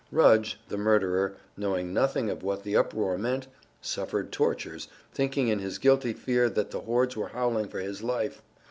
Rudge, the murderer, knowing nothing of what the uproar meant, suffered tortures, thinking in his guilty fear that the hordes were howling for his life.